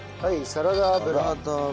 サラダ油。